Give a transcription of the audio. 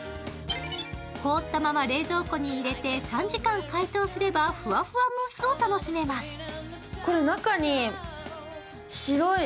凍ったまま冷蔵庫に入れて３時間解凍すればふわふわムースを楽しめます。